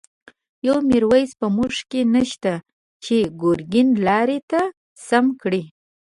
یو«میرویس» په مونږ کی نشته، چه گرگین لاری ته سم کړی